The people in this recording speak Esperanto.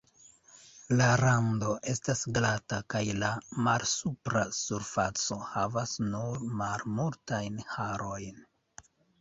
La rando estas glata kaj la malsupra surfaco havas nur malmultajn harojn.